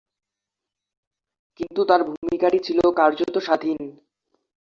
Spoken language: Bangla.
কিন্তু তার ভূমিকাটি ছিল কার্যত স্বাধীন।